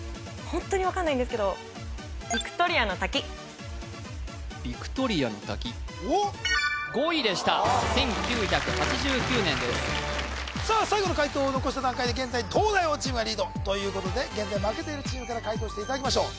ホントに分かんないんですけど５位でした１９８９年ですさあ最後の解答を残した段階で現在東大王チームがリードということで現在負けているチームから解答していただきましょう